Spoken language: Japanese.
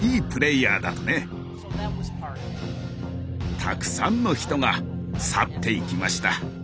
たくさんの人が去っていきました。